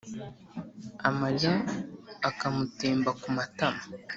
amarira akamutemba ku matama;